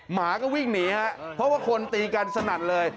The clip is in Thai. หมาก็วิ่งหนีฮะเพราะว่าคนตีกันสนั่นเลย